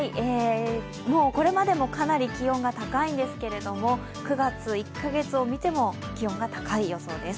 もうこれまでもかなり気温が高いんですけど９月、１か月を見ても気温が高い予想です。